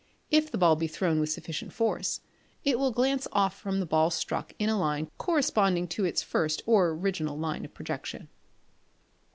If the ball be thrown with sufficient force, it will glance off from the ball struck in a line corresponding to its first or original line of projection.